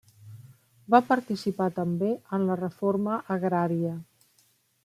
Va participar també en la reforma agrària.